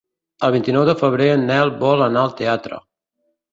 El vint-i-nou de febrer en Nel vol anar al teatre.